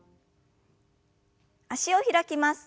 脚を開きます。